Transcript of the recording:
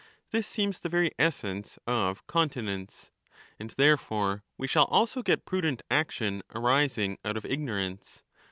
This seems the very essence of continence. And therefore we 25 shall also get prudent action arising out of ignorance.